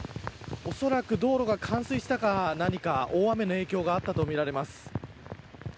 おそらく道路が冠水したか何か大雨の影響があったとみられます。